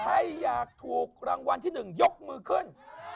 ให้อยากถูกรางวัลที่หนึ่งยกมือขึ้น